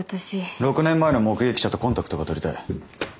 ６年前の目撃者とコンタクトが取りたい。